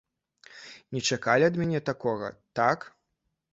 Не чакалі ад мяне такога, так?